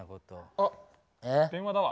あ電話だわ。